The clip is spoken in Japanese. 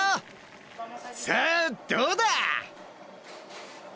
さあどうだ？